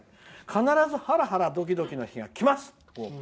必ずハラハラドキドキの日が来ますと。